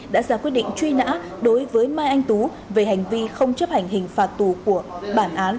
đã ra quyết định truy nã đối với mai anh tú về hành vi không chấp hành hình phạt tù của bản án